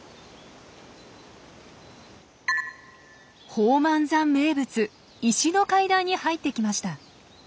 宝満山名物石の階段に入ってきました。